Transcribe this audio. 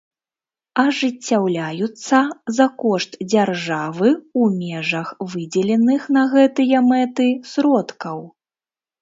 Ажыццяўляюцца за кошт дзяржавы ў межах выдзеленых на гэтыя мэты сродкаў.